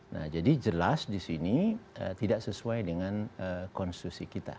nah jadi jelas di sini tidak sesuai dengan konstitusi kita